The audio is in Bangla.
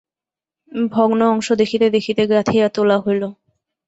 ভগ্ন অংশ দেখিতে দেখিতে গাঁথিয়া তোলা হইল।